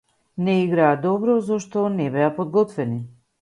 Не играа добро зашто не беа подготвени.